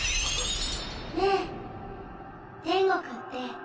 ねえ天国って